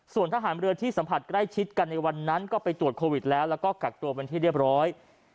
ส่วนทหารเรือที่สัมผัสใกล้ชิดกันในวันนั้นก็ไปตรวจโควิดแล้วแล้วก็กักตัวเป็นที่เรียบร้อย